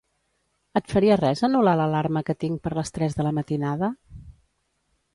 Et faria res anul·lar l'alarma que tinc per les tres de la matinada?